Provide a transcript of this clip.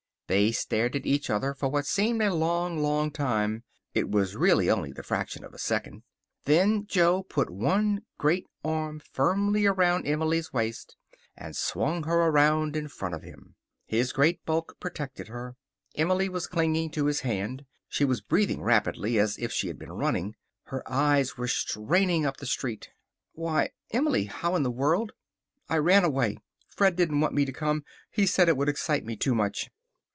They stared at each other for what seemed a long, long time. It was really only the fraction of a second. Then Jo put one great arm firmly around Emily's waist and swung her around in front of him. His great bulk protected her. Emily was clinging to his hand. She was breathing rapidly, as if she had been running. Her eyes were straining up the street. "Why, Emily, how in the world !" "I ran away. Fred didn't want me to come. He said it would excite me too much."